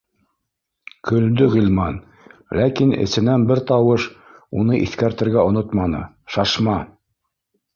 Көлдө Ғилман, ләкин эсенән бер тауыш уны иҫкәртергә онотманы: шашма